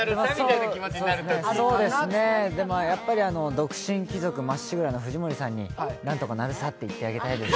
独身貴族まっしぐらな藤森さんになんとかなるさって言ってあげたいです。